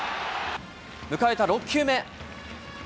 迎えた６球目。